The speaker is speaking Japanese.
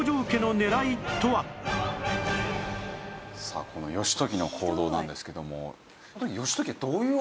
さあこの義時の行動なんですけども。